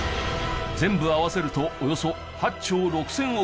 全部合わせるとおよそ８兆６０００億円。